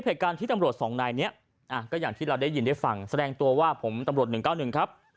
เหตุการณ์ที่ตำรวจสองนายนี้ก็อย่างที่เราได้ยินได้ฟังแสดงตัวว่าผมตำรวจ๑๙๑ครับ